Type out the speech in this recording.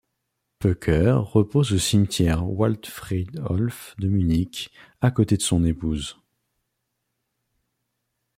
Peukert repose au cimetière Waldfriedhof de Munich, à côté de son épouse.